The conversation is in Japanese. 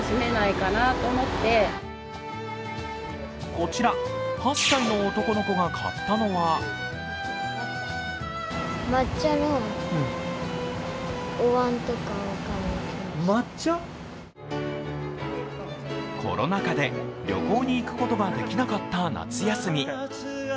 こちら８歳の男の子が買ったのはコロナ禍で旅行に行くことができなかった夏休み。